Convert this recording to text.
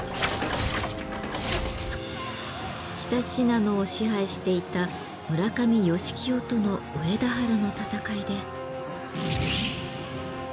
北信濃を支配していた村上義清との上田原の戦いで。